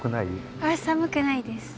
あっ寒くないです。